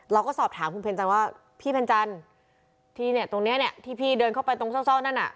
เราก็สอบถามคุณเพ็ญจันทร์ว่าพี่เพนจันทร์ที่เนี่ยตรงเนี้ยเนี่ยที่พี่เดินเข้าไปตรงเศร้านั่นอ่ะ